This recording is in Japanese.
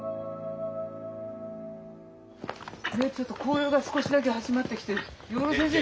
ねえちょっと紅葉が少しだけ始まってきてる。